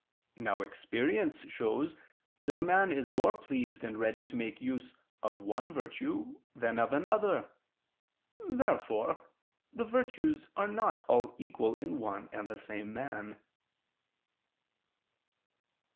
Now experience shows that a man is more pleased and ready to make use of one virtue than of another. Therefore the virtues are not all equal in one and the same man.